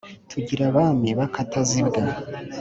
tugira abami b’akatazibwa